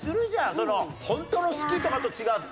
そのホントの好きとかと違って。